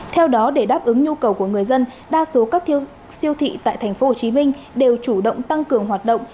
theo đó để đáp ứng nhu cầu của người dân đa số các siêu thị tại tp hcm đều chủ động tăng cường hoạt động